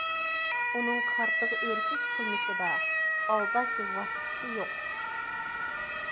ئۇنىڭ كارتىغا ئېرىشىش قىلمىشىدا ئالداش ۋاسىتىسى يوق.